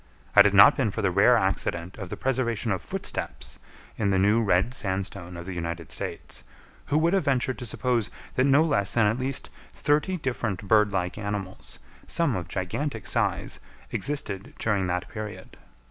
Had it not been for the rare accident of the preservation of footsteps in the new red sandstone of the United States, who would have ventured to suppose that no less than at least thirty different bird like animals, some of gigantic size, existed during that period?